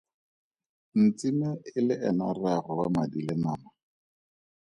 Ntsime e le ena rraagwe wa madi le nama?